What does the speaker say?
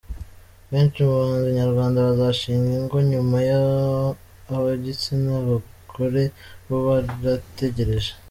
Benshi mu bahanzi nyarwanda bazashinga ingo nyuma ya Ab’igitsina gore bo barategereje